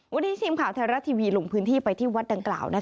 วันนี้ทีมข่าวไทยรัฐทีวีลงพื้นที่ไปที่วัดดังกล่าว